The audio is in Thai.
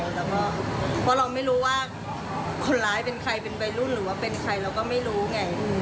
แล้วก็เพราะเราไม่รู้ว่าคนร้ายเป็นใครเป็นวัยรุ่นหรือว่าเป็นใครเราก็ไม่รู้ไง